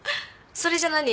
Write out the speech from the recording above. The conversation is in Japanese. それじゃ何？